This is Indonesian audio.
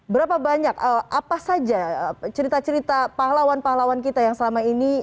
berapa banyak apa saja cerita cerita pahlawan pahlawan kita yang selama ini